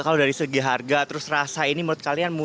kalau dari segi harga terus rasa ini menurut kalian